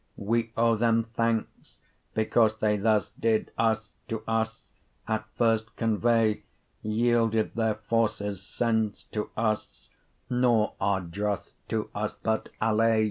We owe them thankes, because they thus, Did us, to us, at first convay, Yeelded their forces, sense, to us, 55 Nor are drosse to us, but allay.